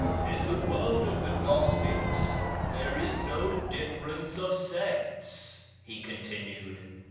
" In the world of the gnostics there is no difference of sects," he continued.